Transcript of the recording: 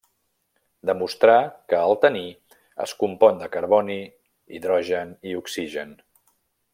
Demostrà que el taní es compon de carboni, hidrogen i oxigen.